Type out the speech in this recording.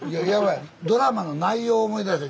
ドラマの内容を思い出して。